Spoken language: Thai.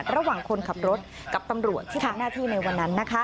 ระหว่างคนขับรถกับตำรวจที่ทำหน้าที่ในวันนั้น